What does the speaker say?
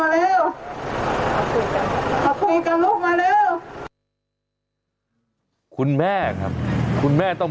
เห็นไม่รู้เปล่าลงมาแล้ว